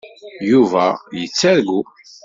Yuba yettargu.